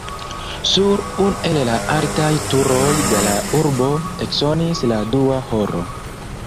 Sur unu el la altaj turoj de la urbo eksonis la dua horo.